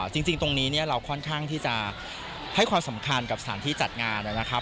จริงตรงนี้เราค่อนข้างที่จะให้ความสำคัญกับสถานที่จัดงานนะครับ